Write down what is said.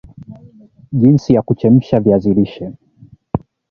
jinsi ya kuchemsha viazi lishe